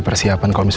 pada tempat ini